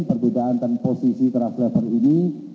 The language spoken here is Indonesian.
perbedaan posisi trust labor ini